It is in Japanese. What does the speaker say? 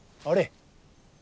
あれ。